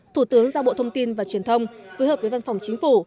thủ tướng giao bộ thông tin và truyền thông phối hợp với văn phòng chính phủ